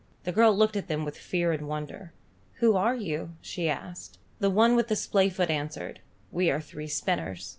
The girl looked at them with fear and wonder. "Who are you?" she asked. The one with the splayfoot answered. "We are three spinners.